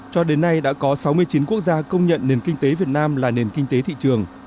cho đến nay đã có sáu mươi chín quốc gia công nhận nền kinh tế việt nam là nền kinh tế thị trường